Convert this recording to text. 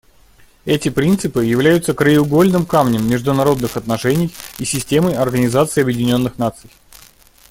Эти принципы являются краеугольным камнем международных отношений и системы Организации Объединенных Наций.